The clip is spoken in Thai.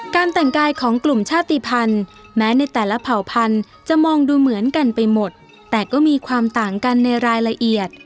การแต่งกายของกลุ่มชาติภัณฑ์แม้ในแต่ละเผ่าพันธุ์จะมองดูเหมือนกันไปหมดแต่ก็มีความต่างกันในรายละเอียด